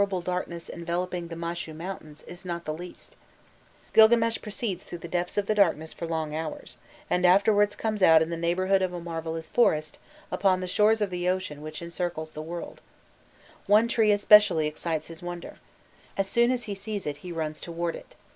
The scorpion man in vain shows to him the perils before him, of which the horrible darkness enveloping the Mashu mountains is not the least: Gilgames proceeds through the depths of the darkness for long hours, and afterwards comes out in the neighbourhood of a marvellous forest upon the shore of the ocean which encircles the world. One tree especially excites his wonder: "As soon as he sees it he runs towards it.